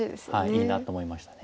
いいなって思いましたね。